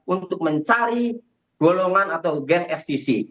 untuk mencari golongan atau geng stc